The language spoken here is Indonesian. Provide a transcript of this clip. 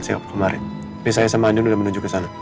siap kemarin ini saya sama andy udah menuju kesana